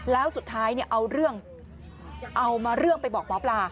แล้วสุดท้ายเอาเรื่องไปบอกหมอปลา